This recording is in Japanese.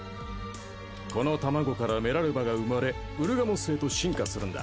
この卵からメラルバが生まれウルガモスへと進化するんだ。